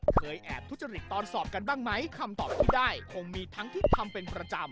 เคยแอบทุจริตตอนสอบกันบ้างไหมคำตอบที่ได้คงมีทั้งที่ทำเป็นประจำ